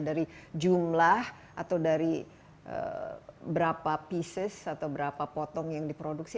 dari jumlah atau dari berapa pieces atau berapa potong yang diproduksi